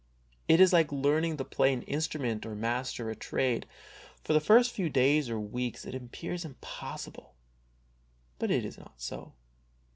It is like learning to play an instrument or master a trade, for the first few days or weeks it appears impossible, but it is not so.